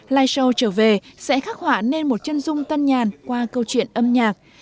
live show trở về sẽ khắc họa nên một chân dung tân nhàn qua câu chuyện âm nhạc